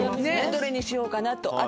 どれにしようかな？と。